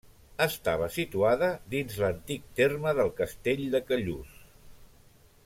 Estava situada dins l'antic terme del castell de Callús.